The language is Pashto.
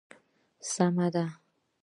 سمه ده.